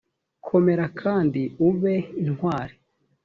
komera kandi ube intwari,